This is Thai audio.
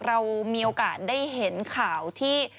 เรามีโอกาสได้เห็นข่าวที่